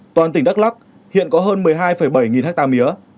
toàn tỉnh đắk lắc hiện có hơn một mươi hai bảy nghìn hectare mía